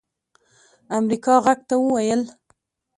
امريکا غږ ته وويل